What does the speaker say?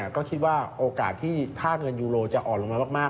ก็คิดว่าโอกาสที่ค่าเงินยูโรจะอ่อนลงมามาก